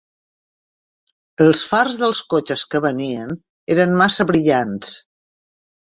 Els fars dels cotxes que venien eren massa brillants.